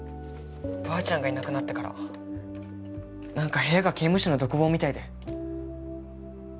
ばあちゃんがいなくなってからなんか部屋が刑務所の独房みたいで。